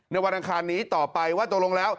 วันอังคารนี้ต่อไปว่าตกลงแล้ว